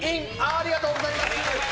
ありがとうございます。